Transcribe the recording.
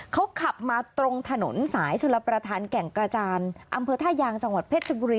เขาขับมาตรงถนนสายชุลประธานแก่งกระจานอำเภอท่ายางจังหวัดเพชรชบุรี